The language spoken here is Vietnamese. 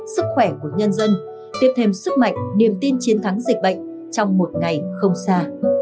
sức khỏe của nhân dân tiếp thêm sức mạnh niềm tin chiến thắng dịch bệnh trong một ngày không xa